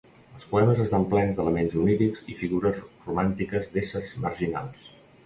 Els poemes estan plens d'elements onírics i figures romàntiques d'éssers marginals.